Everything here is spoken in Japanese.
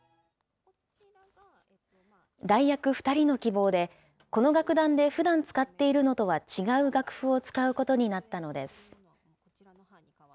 代役２人の希望で、この楽団でふだん使っているのとは違う楽譜を使うことになったのです。